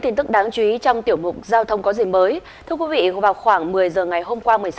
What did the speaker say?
hãy đăng ký kênh để ủng hộ kênh của mình nhé